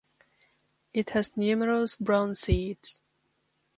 It has numerous brown seeds.